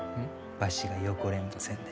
わしが横恋慕せんで。